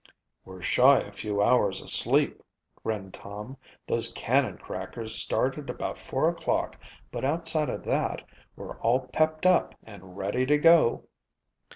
"We're shy a few hours sleep," grinned Tom. "Those cannon crackers started about four o'clock but outside of that we're all pepped up and ready to go."